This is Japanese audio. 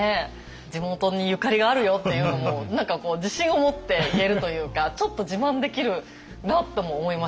地元にゆかりがあるよっていうのも何か自信を持って言えるというかちょっと自慢できるなとも思いました。